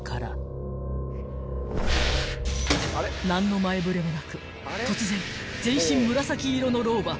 ［何の前触れもなく突然全身紫色の老婆